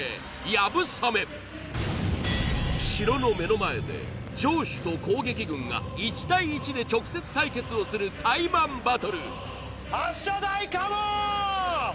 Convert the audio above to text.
流鏑馬城の目の前で城主と攻撃軍が１対１で直接対決をするタイマンバトル発射台カモーン！